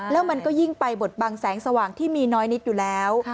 แล้วมันก็ยิ่งไปบทบังแสงสว่างที่มีน้อยนิดอยู่แล้ว